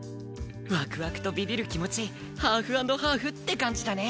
ワクワクとビビる気持ちハーフ＆ハーフって感じだね！